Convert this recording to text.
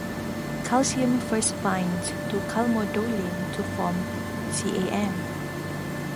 Calcium first binds to calmodulin to form CaM.